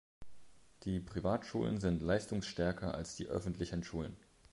Die Privatschulen sind leistungsstärker als die öffentlichen Schulen.